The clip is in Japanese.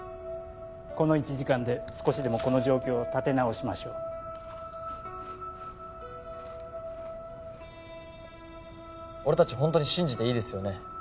この１時間で少しでもこの状況を立て直しましょう俺達ホントに信じていいですよね？